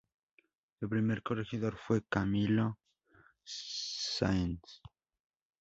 Su primer corregidor fue Camilo S. Sáenz.